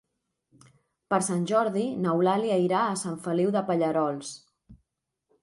Per Sant Jordi n'Eulàlia irà a Sant Feliu de Pallerols.